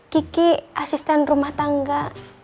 kiki asisten rumah tangga